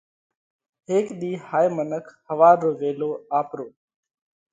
هيڪ ۮِي هائي منک ۿوار رو ويلو آپرو